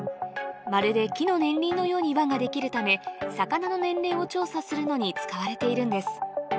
まるで木の年輪のように輪が出来るため魚の年齢を調査するのに使われているんです